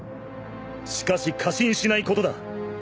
しかし過信しないことだ。